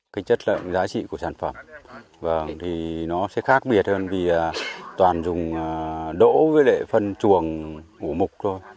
cái chất lượng giá trị của sản phẩm thì nó sẽ khác biệt hơn vì toàn dùng đỗ với lệ phân chuồng ổ mục thôi